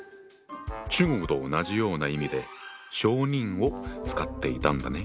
中国と同じような意味で小人を使っていたんだね。